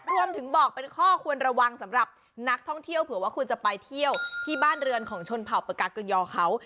รวมถึงบอกเป็นข้อควรระวังสำหรับนักท่องเที่ยวเผื่อว่าคุณจะไปเที่ยวที่บ้านเรือนของชนเผ่าปากาเกยอเขา